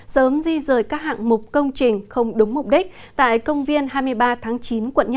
sớm di rời các hạng mục công trình không đúng mục đích tại công viên hai mươi ba tháng chín quận năm